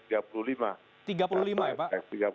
tiga puluh lima ya pak